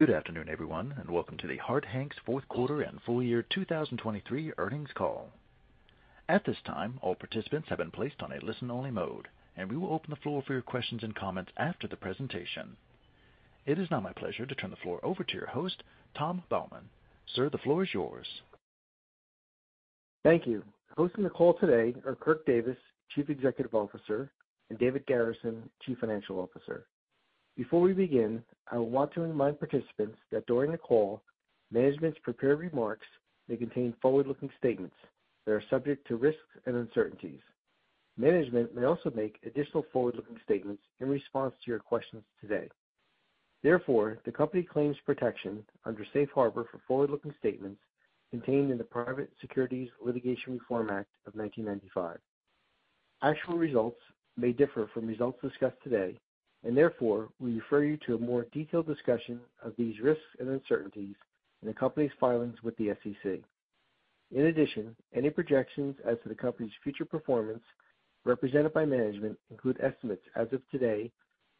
Good afternoon, everyone, and welcome to the Harte Hanks fourth quarter and full-year 2023 earnings call. At this time, all participants have been placed on a listen-only mode, and we will open the floor for your questions and comments after the presentation. It is now my pleasure to turn the floor over to your host, Tom Baumann. Sir, the floor is yours. Thank you. Hosting the call today are Kirk Davis, Chief Executive Officer, and David Garrison, Chief Financial Officer. Before we begin, I would want to remind participants that during the call, management's prepared remarks may contain forward-looking statements that are subject to risks and uncertainties. Management may also make additional forward-looking statements in response to your questions today. Therefore, the company claims protection under Safe Harbor for forward-looking statements contained in the Private Securities Litigation Reform Act of 1995. Actual results may differ from results discussed today, and therefore we refer you to a more detailed discussion of these risks and uncertainties in the company's filings with the SEC. In addition, any projections as to the company's future performance represented by management include estimates as of today,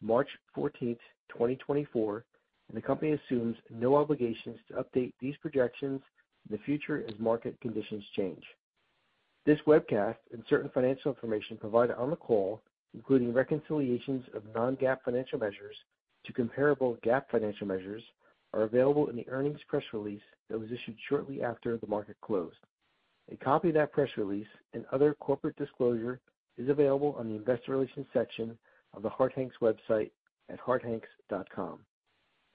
March 14th, 2024, and the company assumes no obligations to update these projections in the future as market conditions change. This webcast and certain financial information provided on the call, including reconciliations of non-GAAP financial measures to comparable GAAP financial measures, are available in the earnings press release that was issued shortly after the market closed. A copy of that press release and other corporate disclosure is available on the investor relations section of the Harte Hanks website at hartehanks.com.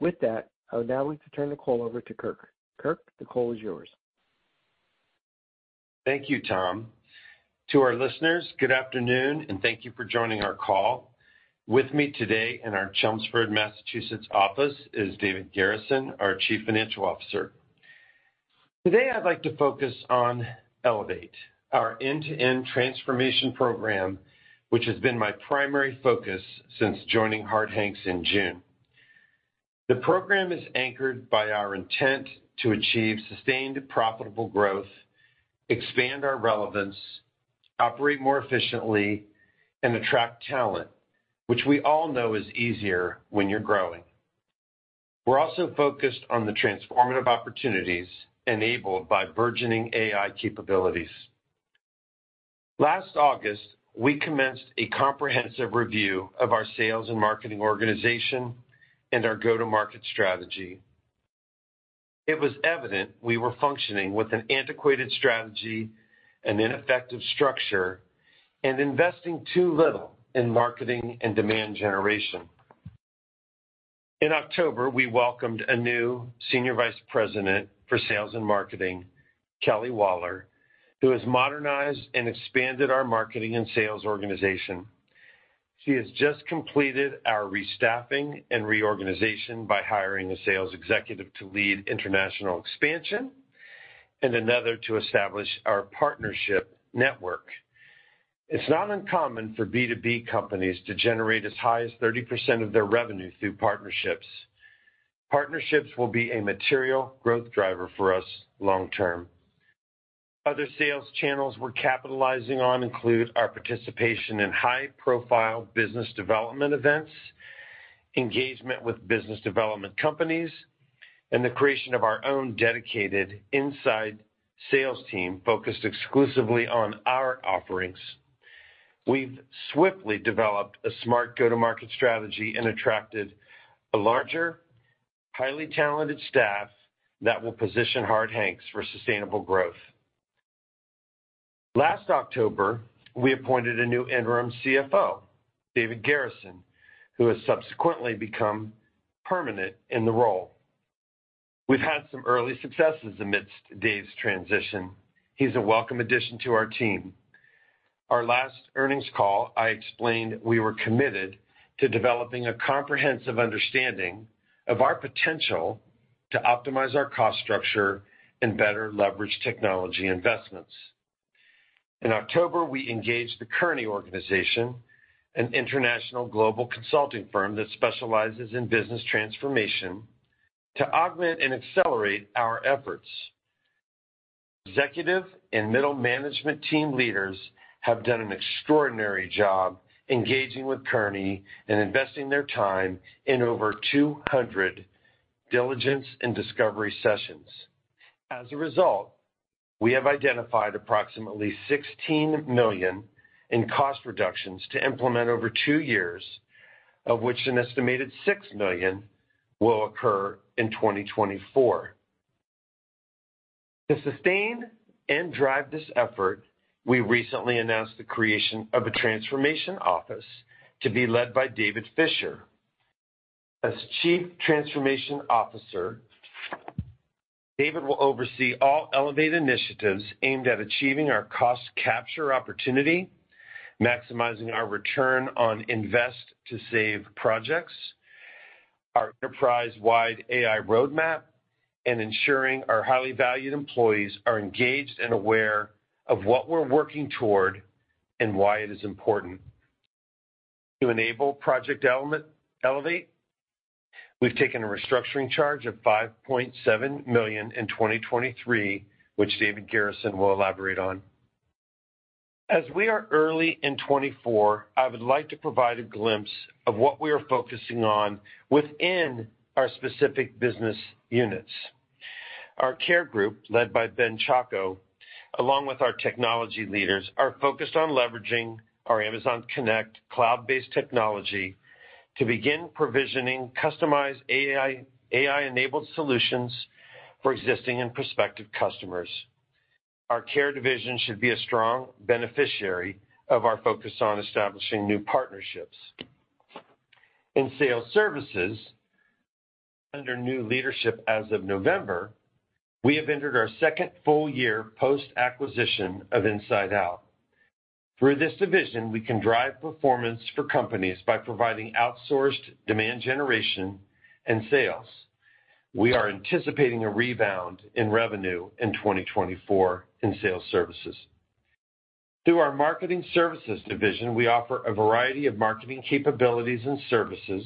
With that, I would now like to turn the call over to Kirk. Kirk, the call is yours. Thank you, Tom. To our listeners, good afternoon, and thank you for joining our call. With me today in our Chelmsford, Massachusetts office is David Garrison, our Chief Financial Officer. Today, I'd like to focus on Elevate, our end-to-end transformation program, which has been my primary focus since joining Harte Hanks in June. The program is anchored by our intent to achieve sustained, profitable growth, expand our relevance, operate more efficiently, and attract talent, which we all know is easier when you're growing. We're also focused on the transformative opportunities enabled by burgeoning AI capabilities. Last August, we commenced a comprehensive review of our Sales and Marketing organization and our go-to-market strategy. It was evident we were functioning with an antiquated strategy and ineffective structure and investing too little in marketing and demand generation. In October, we welcomed a new Senior Vice President for Sales and Marketing, Kelly Waller, who has modernized and expanded our Marketing and Sales organization. She has just completed our restaffing and reorganization by hiring a sales executive to lead international expansion and another to establish our partnership network. It's not uncommon for B2B companies to generate as high as 30% of their revenue through partnerships. Partnerships will be a material growth driver for us long term. Other sales channels we're capitalizing on include our participation in high-profile business development events, engagement with business development companies, and the creation of our own dedicated inside Sales team focused exclusively on our offerings. We've swiftly developed a smart go-to-market strategy and attracted a larger, highly talented staff that will position Harte Hanks for sustainable growth. Last October, we appointed a new Interim CFO, David Garrison, who has subsequently become permanent in the role. We've had some early successes amidst Dave's transition. He's a welcome addition to our team. Our last earnings call, I explained we were committed to developing a comprehensive understanding of our potential to optimize our cost structure and better leverage technology investments. In October, we engaged the Kearney organization, an international global consulting firm that specializes in business transformation, to augment and accelerate our efforts. Executive and middle management team leaders have done an extraordinary job engaging with Kearney and investing their time in over 200 diligence and discovery sessions. As a result, we have identified approximately $16 million in cost reductions to implement over two years, of which an estimated $6 million will occur in 2024. To sustain and drive this effort, we recently announced the creation of a transformation office to be led by David Fisher. As Chief Transformation Officer, David will oversee all Elevate initiatives aimed at achieving our cost capture opportunity, maximizing our return on invest-to-save projects, our enterprise-wide AI roadmap, and ensuring our highly valued employees are engaged and aware of what we're working toward and why it is important. To enable Project Elevate, we've taken a restructuring charge of $5.7 million in 2023, which David Garrison will elaborate on. As we are early in 2024, I would like to provide a glimpse of what we are focusing on within our specific business units. Our Care Group, led by Ben Chacko, along with our technology leaders, are focused on leveraging our Amazon Connect cloud-based technology to begin provisioning customized AI-enabled solutions for existing and prospective customers. Our Care division should be a strong beneficiary of our focus on establishing new partnerships. In Sales Services, under new leadership as of November, we have entered our second full-year post-acquisition of InsideOut. Through this division, we can drive performance for companies by providing outsourced demand generation and sales. We are anticipating a rebound in revenue in 2024 in Sales Services. Through our Marketing Services division, we offer a variety of marketing capabilities and services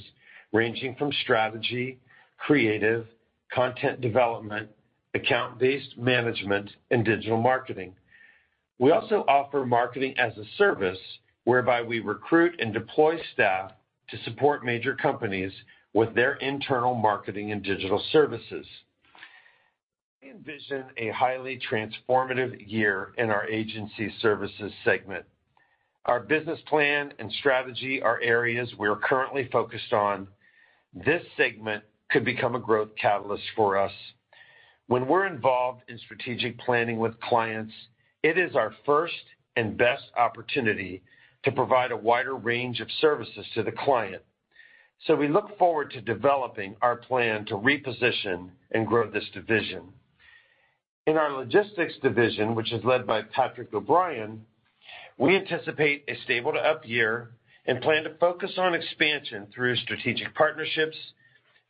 ranging from strategy, creative, content development, account-based management, and digital marketing. We also offer marketing as a service whereby we recruit and deploy staff to support major companies with their internal marketing and digital services. I envision a highly transformative year in our agency services segment. Our business plan and strategy are areas we're currently focused on. This segment could become a growth catalyst for us. When we're involved in strategic planning with clients, it is our first and best opportunity to provide a wider range of services to the client. So we look forward to developing our plan to reposition and grow this division. In our logistics division, which is led by Patrick O'Brien, we anticipate a stable to up year and plan to focus on expansion through strategic partnerships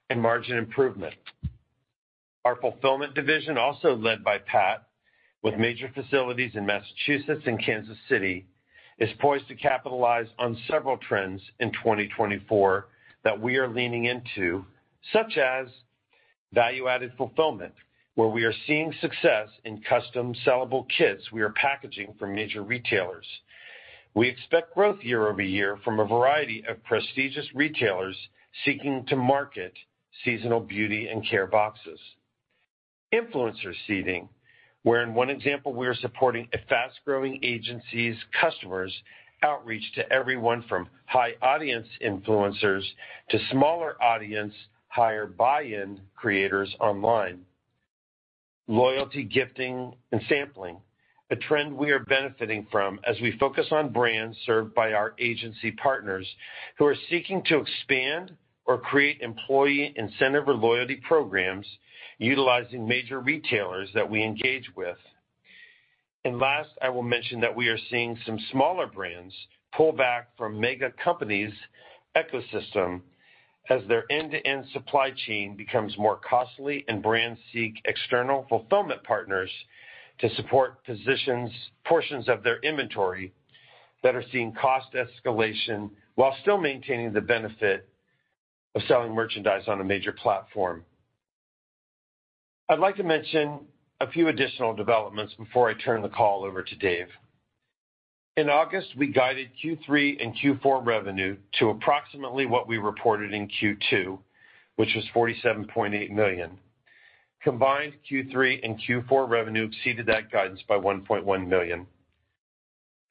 and margin improvement. Our fulfillment division, also led by Pat, with major facilities in Massachusetts and Kansas City, is poised to capitalize on several trends in 2024 that we are leaning into, such as value-added fulfillment, where we are seeing success in custom-sellable kits we are packaging for major retailers. We expect growth year-over-year from a variety of prestigious retailers seeking to market seasonal beauty and care boxes. Influencer seeding, where in one example we are supporting fast-growing agencies' customers' outreach to everyone from high-audience influencers to smaller-audience, higher-buy-in creators online. Loyalty gifting and sampling, a trend we are benefiting from as we focus on brands served by our agency partners who are seeking to expand or create employee incentive or loyalty programs utilizing major retailers that we engage with. Last, I will mention that we are seeing some smaller brands pull back from mega-companies' ecosystem as their end-to-end supply chain becomes more costly and brands seek external fulfillment partners to support portions of their inventory that are seeing cost escalation while still maintaining the benefit of selling merchandise on a major platform. I'd like to mention a few additional developments before I turn the call over to Dave. In August, we guided Q3 and Q4 revenue to approximately what we reported in Q2, which was $47.8 million. Combined Q3 and Q4 revenue exceeded that guidance by $1.1 million.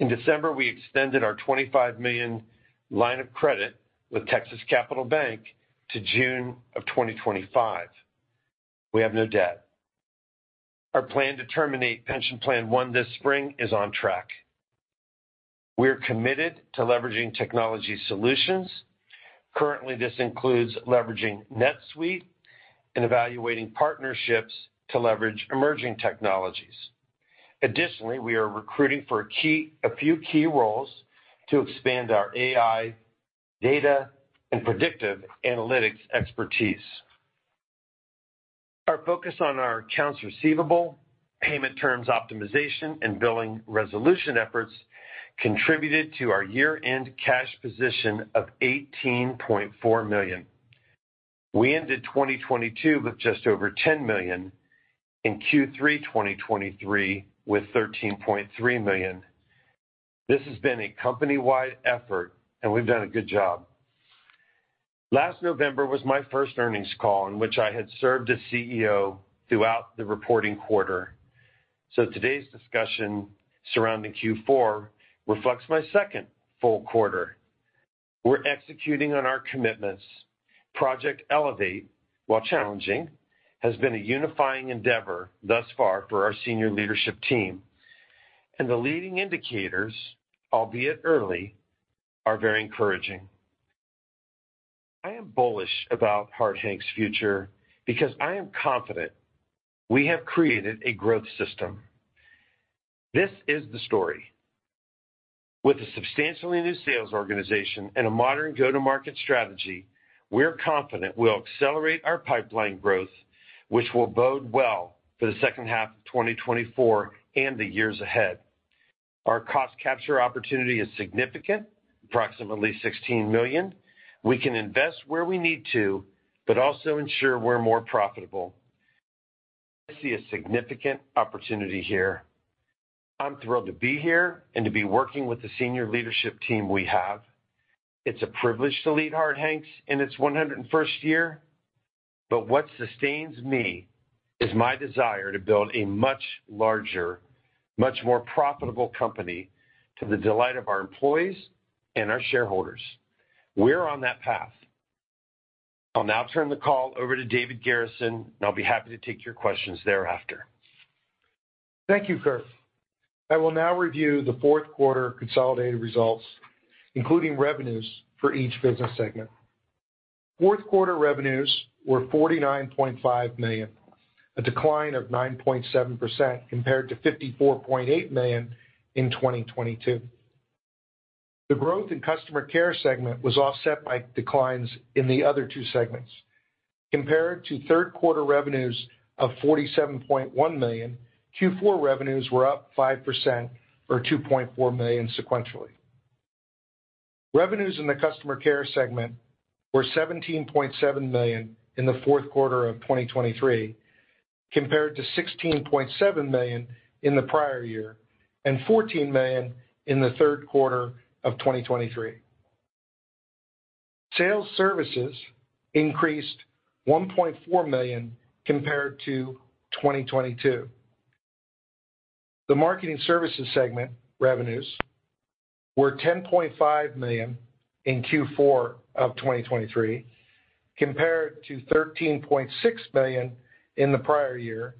In December, we extended our $25 million line of credit with Texas Capital Bank to June of 2025. We have no debt. Our plan to terminate Pension Plan One this spring is on track. We are committed to leveraging technology solutions. Currently, this includes leveraging NetSuite and evaluating partnerships to leverage emerging technologies. Additionally, we are recruiting for a few key roles to expand our AI, data, and predictive analytics expertise. Our focus on our accounts receivable, payment terms optimization, and billing resolution efforts contributed to our year-end cash position of $18.4 million. We ended 2022 with just over $10 million and Q3 2023 with $13.3 million. This has been a company-wide effort, and we've done a good job. Last November was my first earnings call in which I had served as CEO throughout the reporting quarter. So today's discussion surrounding Q4 reflects my second full quarter. We're executing on our commitments. Project Elevate, while challenging, has been a unifying endeavor thus far for our senior leadership team, and the leading indicators, albeit early, are very encouraging. I am bullish about Harte Hanks' future because I am confident we have created a growth system. This is the story. With a substantially new sales organization and a modern go-to-market strategy, we're confident we'll accelerate our pipeline growth, which will bode well for the second half of 2024 and the years ahead. Our cost capture opportunity is significant, approximately $16 million. We can invest where we need to but also ensure we're more profitable. I see a significant opportunity here. I'm thrilled to be here and to be working with the senior leadership team we have. It's a privilege to lead Harte Hanks in its 101st year, but what sustains me is my desire to build a much larger, much more profitable company to the delight of our employees and our shareholders. We're on that path. I'll now turn the call over to David Garrison, and I'll be happy to take your questions thereafter. Thank you, Kirk. I will now review the fourth quarter consolidated results, including revenues for each business segment. Fourth quarter revenues were $49.5 million, a decline of 9.7% compared to $54.8 million in 2022. The growth in Customer Care segment was offset by declines in the other two segments. Compared to third quarter revenues of $47.1 million, Q4 revenues were up 5% or $2.4 million sequentially. Revenues in the Customer Care segment were $17.7 million in the fourth quarter of 2023 compared to $16.7 million in the prior year and $14 million in the third quarter of 2023. Sales Services increased $1.4 million compared to 2022. The Marketing Services segment revenues were $10.5 million in Q4 of 2023 compared to $13.6 million in the prior year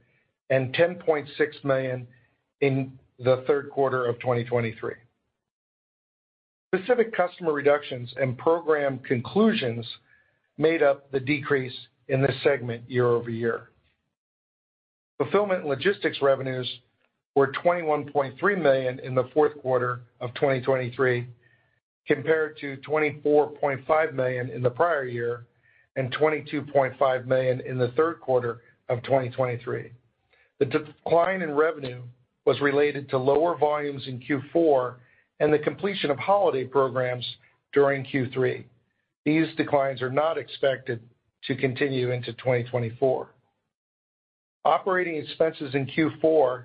and $10.6 million in the third quarter of 2023. Specific customer reductions and program conclusions made up the decrease in this segment year-over-year. Fulfillment Logistics revenues were $21.3 million in the fourth quarter of 2023 compared to $24.5 million in the prior year and $22.5 million in the third quarter of 2023. The decline in revenue was related to lower volumes in Q4 and the completion of holiday programs during Q3. These declines are not expected to continue into 2024. Operating expenses in Q4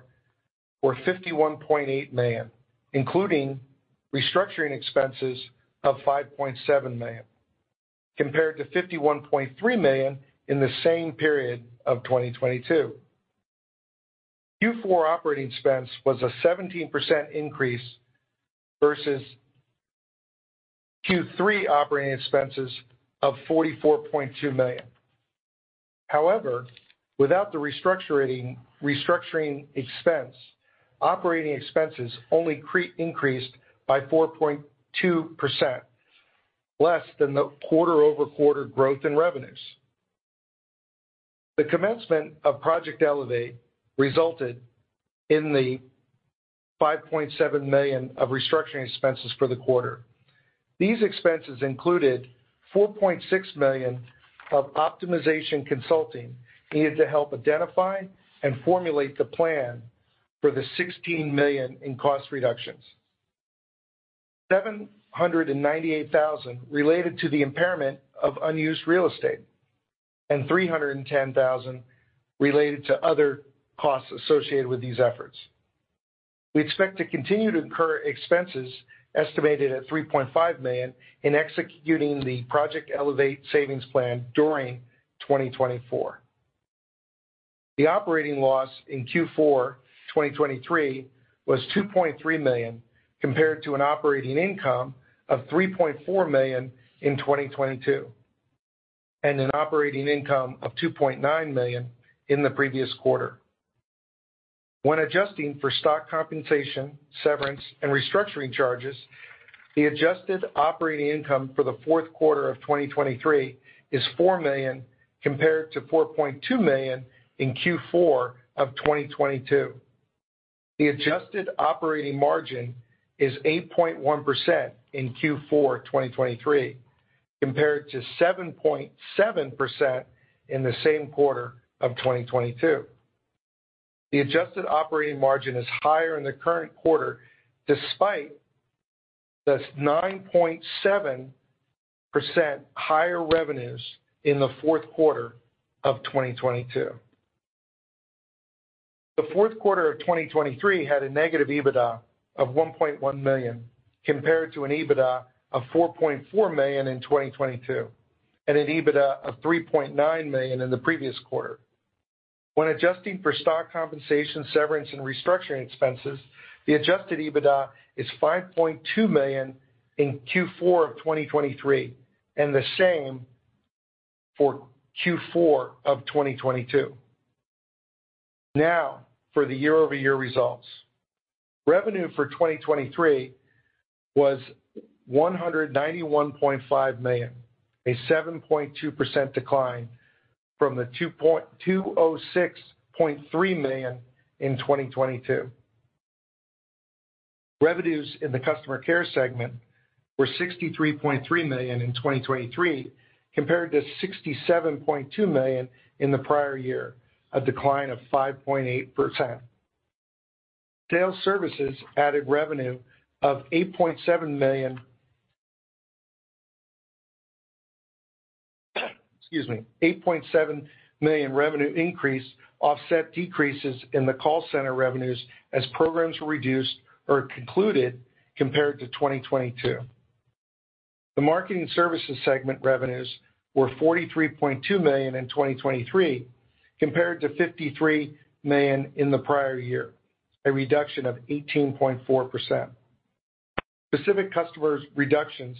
were $51.8 million, including restructuring expenses of $5.7 million compared to $51.3 million in the same period of 2022. Q4 operating expense was a 17% increase versus Q3 operating expenses of $44.2 million. However, without the restructuring expense, operating expenses only increased by 4.2%, less than the quarter-over-quarter growth in revenues. The commencement of Project Elevate resulted in the $5.7 million of restructuring expenses for the quarter. These expenses included $4.6 million of optimization consulting needed to help identify and formulate the plan for the $16 million in cost reductions, $798,000 related to the impairment of unused real estate, and $310,000 related to other costs associated with these efforts. We expect to continue to incur expenses estimated at $3.5 million in executing the Project Elevate savings plan during 2024. The operating loss in Q4 2023 was $2.3 million compared to an operating income of $3.4 million in 2022 and an operating income of $2.9 million in the previous quarter. When adjusting for stock compensation, severance, and restructuring charges, the adjusted operating income for the fourth quarter of 2023 is $4 million compared to $4.2 million in Q4 of 2022. The adjusted operating margin is 8.1% in Q4 2023 compared to 7.7% in the same quarter of 2022. The adjusted operating margin is higher in the current quarter despite the 9.7% higher revenues in the fourth quarter of 2022. The fourth quarter of 2023 had a negative EBITDA of $1.1 million compared to an EBITDA of $4.4 million in 2022 and an EBITDA of $3.9 million in the previous quarter. When adjusting for stock compensation, severance, and restructuring expenses, the adjusted EBITDA is $5.2 million in Q4 of 2023 and the same for Q4 of 2022. Now for the year-over-year results. Revenue for 2023 was $191.5 million, a 7.2% decline from the $206.3 million in 2022. Revenues in the Customer Care segment were $63.3 million in 2023 compared to $67.2 million in the prior year, a decline of 5.8%. Sales Services added revenue of $8.7 million excuse me, $8.7 million revenue increase offset decreases in the call center revenues as programs were reduced or concluded compared to 2022. The Marketing Services segment revenues were $43.2 million in 2023 compared to $53 million in the prior year, a reduction of 18.4%. Specific customers' reductions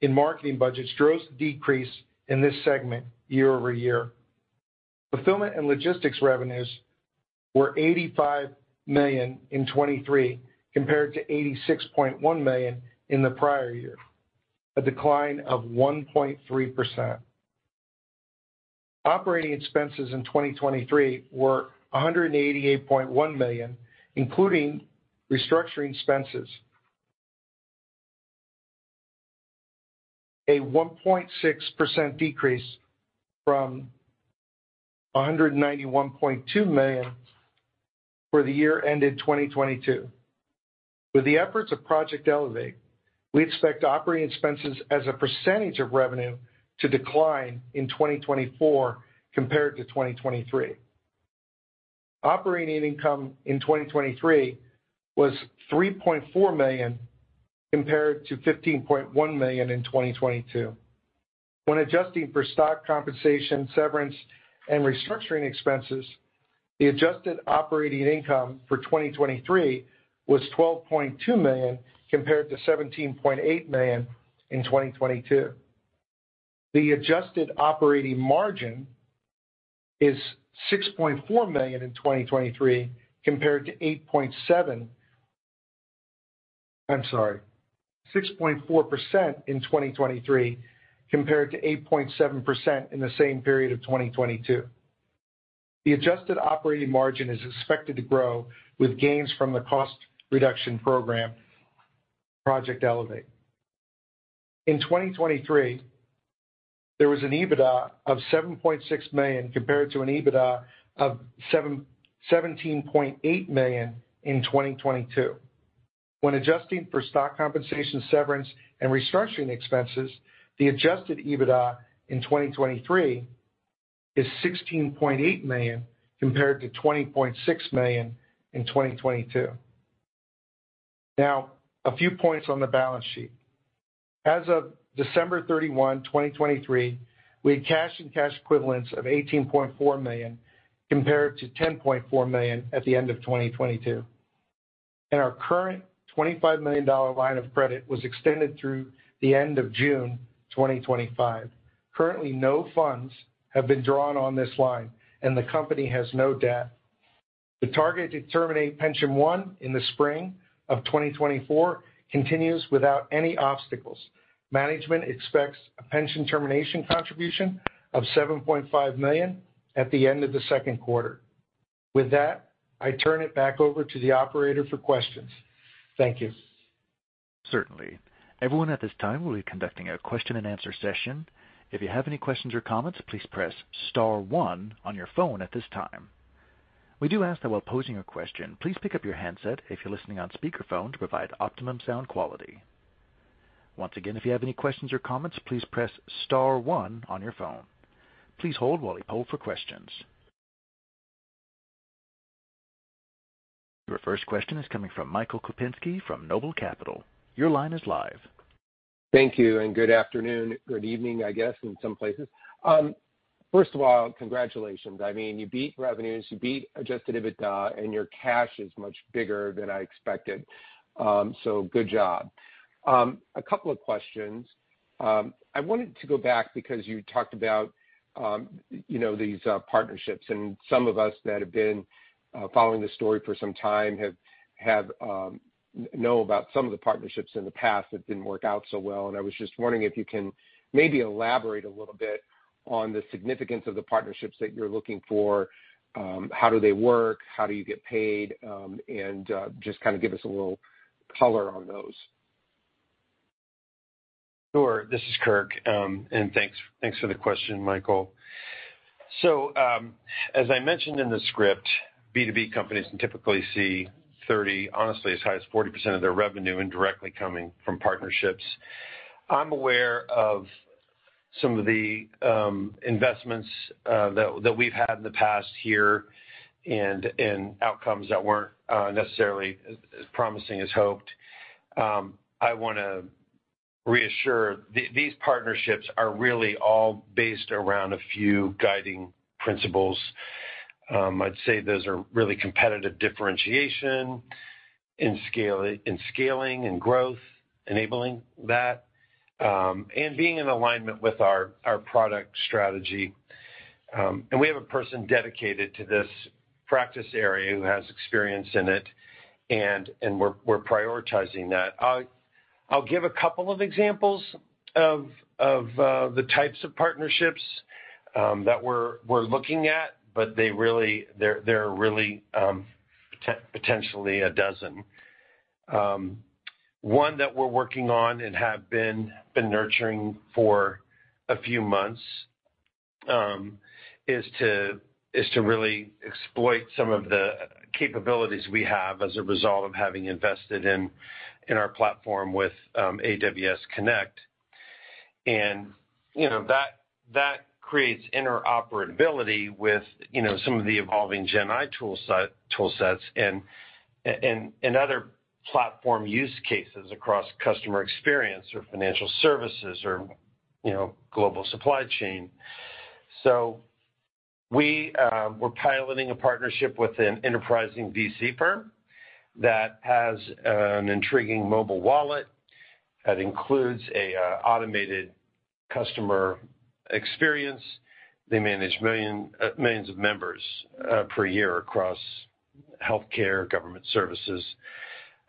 in marketing budgets drove the decrease in this segment year-over-year. Fulfillment and Logistics revenues were $85 million in 2023 compared to $86.1 million in the prior year, a decline of 1.3%. Operating expenses in 2023 were $188.1 million, including restructuring expenses, a 1.6% decrease from $191.2 million for the year ended 2022. With the efforts of Project Elevate, we expect operating expenses as a percentage of revenue to decline in 2024 compared to 2023. Operating income in 2023 was $3.4 million compared to $15.1 million in 2022. When adjusting for stock compensation, severance, and restructuring expenses, the adjusted operating income for 2023 was $12.2 million compared to $17.8 million in 2022. The adjusted operating margin is $6.4 million in 2023 compared to 8.7. I'm sorry, 6.4% in 2023 compared to 8.7% in the same period of 2022. The adjusted operating margin is expected to grow with gains from the cost reduction program, Project Elevate. In 2023, there was an EBITDA of $7.6 million compared to an EBITDA of $17.8 million in 2022. When adjusting for stock compensation, severance, and restructuring expenses, the adjusted EBITDA in 2023 is $16.8 million compared to $20.6 million in 2022. Now, a few points on the balance sheet. As of December 31, 2023, we had cash and cash equivalents of $18.4 million compared to $10.4 million at the end of 2022. Our current $25 million line of credit was extended through the end of June 2025. Currently, no funds have been drawn on this line, and the company has no debt. The target to terminate Pension One in the spring of 2024 continues without any obstacles. Management expects a pension termination contribution of $7.5 million at the end of the second quarter. With that, I turn it back over to the operator for questions. Thank you. Certainly. Everyone at this time will be conducting a question-and-answer session. If you have any questions or comments, please press star one on your phone at this time. We do ask that while posing a question, please pick up your handset if you're listening on speakerphone to provide optimum sound quality. Once again, if you have any questions or comments, please press star one on your phone. Please hold while we poll for questions. Your first question is coming from Michael Kupinski from Noble Capital. Your line is live. Thank you. And good afternoon good evening, I guess, in some places. First of all, congratulations. I mean, you beat revenues, you beat adjusted EBITDA, and your cash is much bigger than I expected. So good job. A couple of questions. I wanted to go back because you talked about these partnerships. And some of us that have been following the story for some time know about some of the partnerships in the past that didn't work out so well. And I was just wondering if you can maybe elaborate a little bit on the significance of the partnerships that you're looking for. How do they work? How do you get paid? And just kind of give us a little color on those. Sure. This is Kirk. Thanks for the question, Michael. As I mentioned in the script, B2B companies can typically see 30%-40% of their revenue indirectly coming from partnerships. I'm aware of some of the investments that we've had in the past here and outcomes that weren't necessarily as promising as hoped. I want to reassure, these partnerships are really all based around a few guiding principles. I'd say those are really competitive differentiation in scaling and growth, enabling that, and being in alignment with our product strategy. We have a person dedicated to this practice area who has experience in it, and we're prioritizing that. I'll give a couple of examples of the types of partnerships that we're looking at, but they're really potentially a dozen. One that we're working on and have been nurturing for a few months is to really exploit some of the capabilities we have as a result of having invested in our platform with AWS Connect. And that creates interoperability with some of the evolving GenAI toolsets and other platform use cases across customer experience or financial services or global supply chain. So we're piloting a partnership with an enterprising VC firm that has an intriguing mobile wallet that includes an automated customer experience. They manage millions of members per year across healthcare, government services.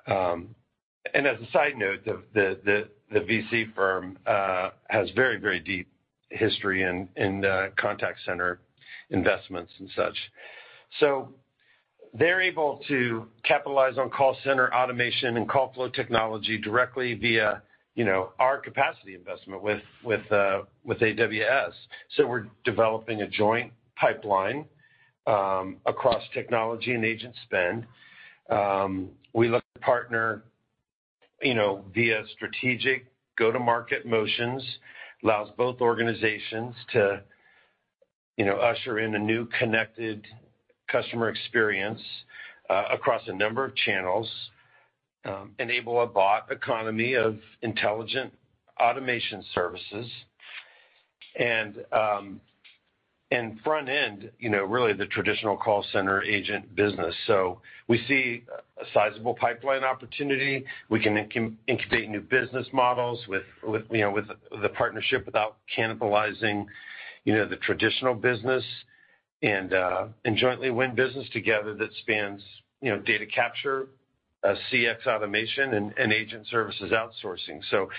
And as a side note, the VC firm has very, very deep history in contact center investments and such. So they're able to capitalize on call center automation and call flow technology directly via our capacity investment with AWS. So we're developing a joint pipeline across technology and agent spend. We look to partner via strategic go-to-market motions, allows both organizations to usher in a new connected customer experience across a number of channels, enable a bot economy of intelligent automation services, and front-end, really, the traditional call center agent business. So we see a sizable pipeline opportunity. We can incubate new business models with the partnership without cannibalizing the traditional business and jointly win business together that spans data capture, CX automation, and agent services outsourcing. So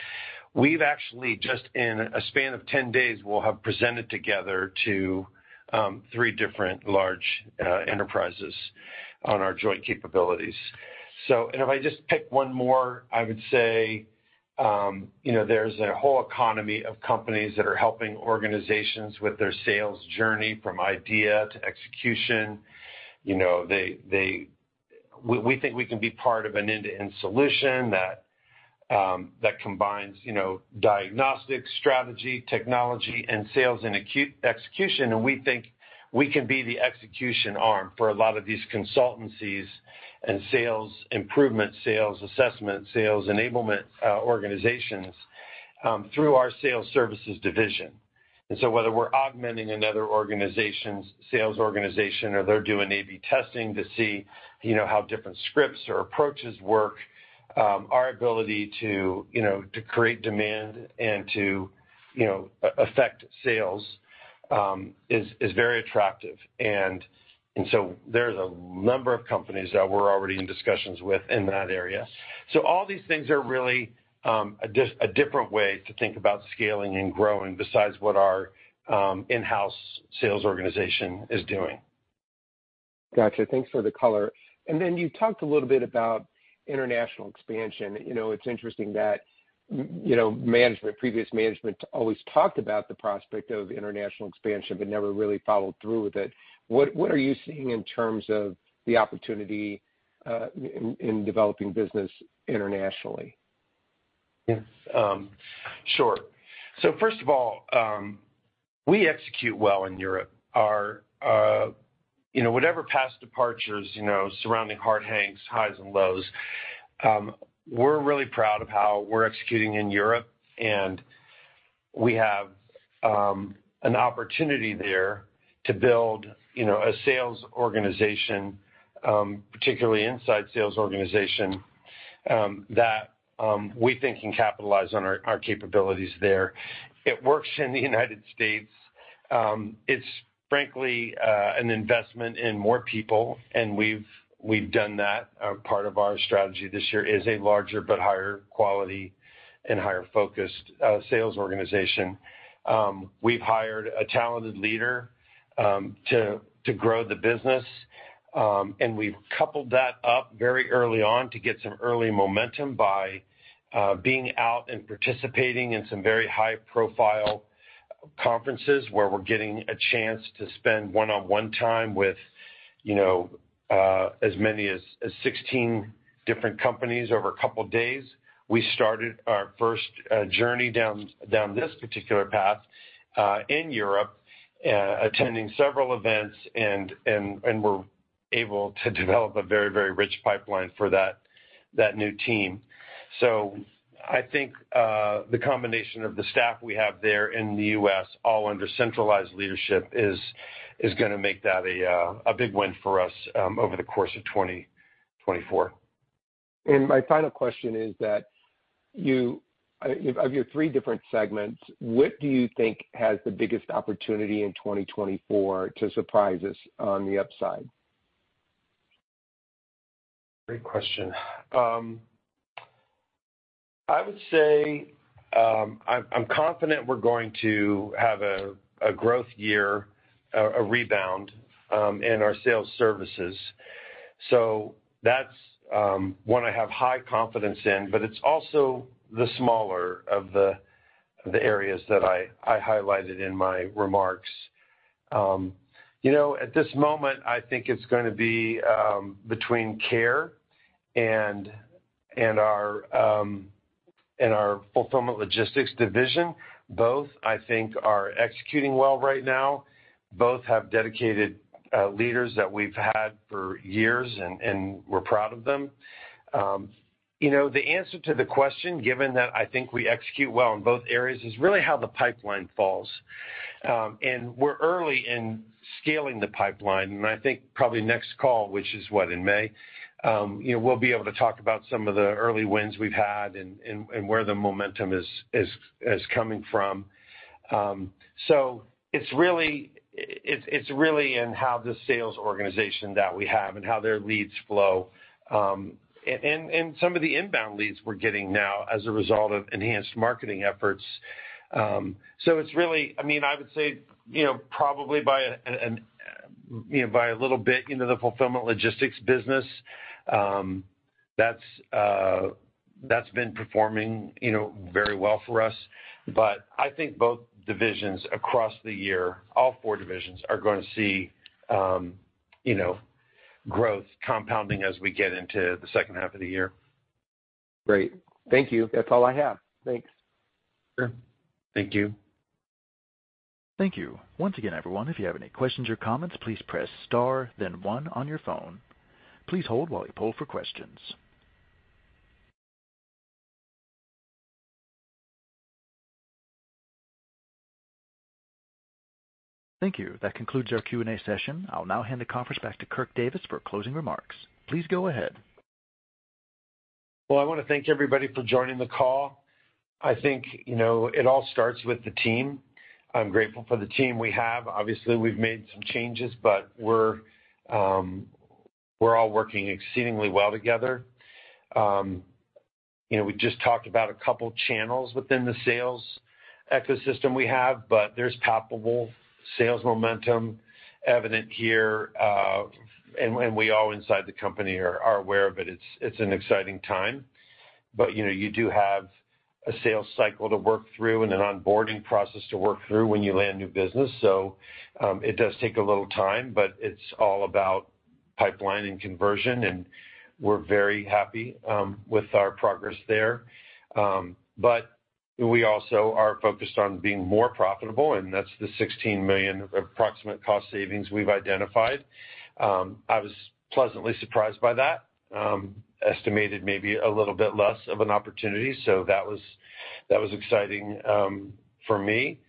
we've actually, just in a span of 10 days, we'll have presented together to three different large enterprises on our joint capabilities. And if I just pick one more, I would say there's a whole economy of companies that are helping organizations with their sales journey from idea to execution. We think we can be part of an end-to-end solution that combines diagnostics, strategy, technology, and sales and execution. We think we can be the execution arm for a lot of these consultancies and sales improvement, sales assessment, sales enablement organizations through our Sales Services division. And so whether we're augmenting another sales organization or they're doing A/B testing to see how different scripts or approaches work, our ability to create demand and to affect sales is very attractive. And so there's a number of companies that we're already in discussions with in that area. So all these things are really a different way to think about scaling and growing besides what our in-house sales organization is doing. Gotcha. Thanks for the color. And then you talked a little bit about international expansion. It's interesting that previous management always talked about the prospect of international expansion but never really followed through with it. What are you seeing in terms of the opportunity in developing business internationally? Yes. Sure. So first of all, we execute well in Europe. Whatever past departures, surrounding Harte Hanks, highs and lows, we're really proud of how we're executing in Europe. And we have an opportunity there to build a sales organization, particularly inside sales organization, that we think can capitalize on our capabilities there. It works in the United States. It's, frankly, an investment in more people, and we've done that. Part of our strategy this year is a larger but higher quality and higher focused sales organization. We've hired a talented leader to grow the business. And we've coupled that up very early on to get some early momentum by being out and participating in some very high-profile conferences where we're getting a chance to spend one-on-one time with as many as 16 different companies over a couple of days. We started our first journey down this particular path in Europe, attending several events, and we're able to develop a very, very rich pipeline for that new team. So I think the combination of the staff we have there in the U.S., all under centralized leadership, is going to make that a big win for us over the course of 2024. My final question is that, of your three different segments, what do you think has the biggest opportunity in 2024 to surprise us on the upside? Great question. I would say I'm confident we're going to have a growth year, a rebound in our Sales Services. So that's one I have high confidence in, but it's also the smaller of the areas that I highlighted in my remarks. At this moment, I think it's going to be between Care and our Fulfillment Logistics division. Both, I think, are executing well right now. Both have dedicated leaders that we've had for years, and we're proud of them. The answer to the question, given that I think we execute well in both areas, is really how the pipeline falls. And we're early in scaling the pipeline. And I think probably next call, which is what, in May, we'll be able to talk about some of the early wins we've had and where the momentum is coming from. So it's really in how the sales organization that we have and how their leads flow and some of the inbound leads we're getting now as a result of enhanced marketing efforts. So it's really I mean, I would say probably by a little bit, the Fulfillment Logistics business, that's been performing very well for us. But I think both divisions across the year, all four divisions, are going to see growth compounding as we get into the second half of the year. Great. Thank you. That's all I have. Thanks. Sure. Thank you. Thank you. Once again, everyone, if you have any questions or comments, please press star, then one on your phone. Please hold while we poll for questions. Thank you. That concludes our Q&A session. I'll now hand the conference back to Kirk Davis for closing remarks. Please go ahead. Well, I want to thank everybody for joining the call. I think it all starts with the team. I'm grateful for the team we have. Obviously, we've made some changes, but we're all working exceedingly well together. We just talked about a couple of channels within the sales ecosystem we have, but there's palpable sales momentum evident here. We all inside the company are aware of it. It's an exciting time. You do have a sales cycle to work through and an onboarding process to work through when you land new business. It does take a little time, but it's all about pipeline and conversion. We're very happy with our progress there. We also are focused on being more profitable, and that's the $16 million approximate cost savings we've identified. I was pleasantly surprised by that, estimated maybe a little bit less of an opportunity. That was exciting for me.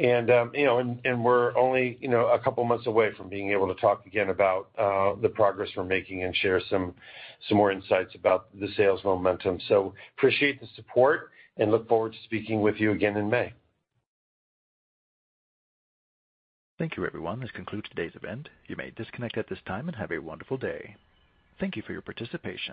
We're only a couple of months away from being able to talk again about the progress we're making and share some more insights about the sales momentum. Appreciate the support and look forward to speaking with you again in May. Thank you, everyone. This concludes today's event. You may disconnect at this time and have a wonderful day. Thank you for your participation.